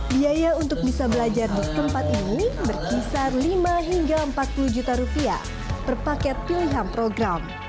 biaya untuk bisa belajar di tempat ini berkisar lima hingga empat puluh juta rupiah per paket pilihan program